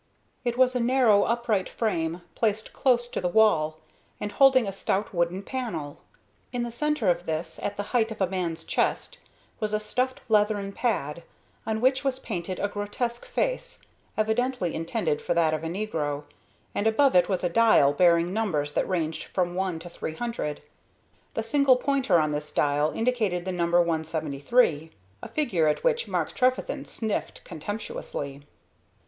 It was a narrow, upright frame, placed close to the wall, and holding a stout wooden panel. In the centre of this, at the height of a man's chest, was a stuffed leathern pad, on which was painted a grotesque face, evidently intended for that of a negro, and above it was a dial bearing numbers that ranged from 1 to 300. The single pointer on this dial indicated the number 173, a figure at which Mark Trefethen sniffed contemptuously.